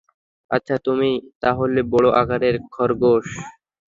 আচ্ছা, তুমি তাহলে বড় আকারের খরগোশ।